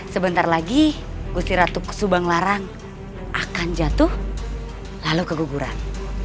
sebentar lagi gusti ratu kesubang larang akan jatuh lalu keguguran